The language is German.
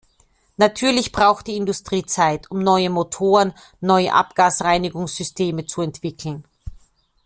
Natürlich braucht die Industrie Zeit, um neue Motoren, neue Abgasreinigungssysteme zu entwickeln.